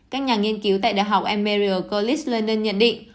các nhà nghiên cứu tại đại học emerald college london nhận định